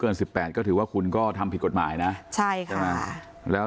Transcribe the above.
สิบแปดก็ถือว่าคุณก็ทำผิดกฎหมายนะใช่ค่ะใช่ไหมแล้ว